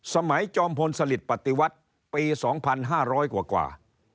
จอมพลสลิดปฏิวัติปี๒๕๐๐กว่า